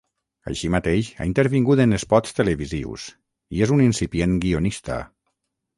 Així mateix, ha intervingut en espots televisius i és un incipient guionista.